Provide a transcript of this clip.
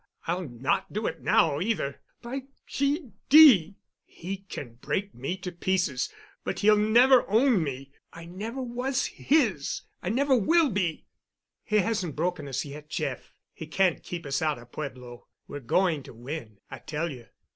I'll not do it now, either, by G—d. He can break me to bits, but he'll never own me—I never was his—I never will be——" "He hasn't broken us yet, Jeff. He can't keep us out of Pueblo. We're going to win, I tell you."